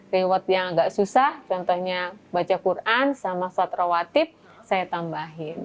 reward yang agak susah contohnya baca quran sama sholat rawatib saya tambahin